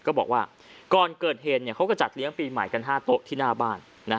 ก็บอกว่าก่อนเกิดเหตุเขาก็จัดเลี้ยงปีใหม่กัน๕โต๊ะที่หน้าบ้าน